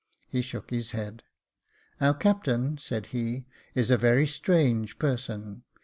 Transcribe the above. He shook his head. " Our captain," said he, " is a very strange person.